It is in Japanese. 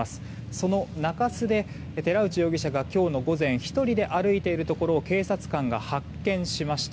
その中洲で寺内容疑者が今日の午前１人で歩いているところを警察官が発見しました。